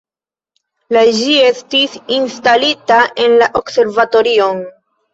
La ĝi estis instalita en la observatorion.